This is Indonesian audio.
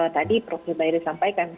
tadi prof zubaira sampaikan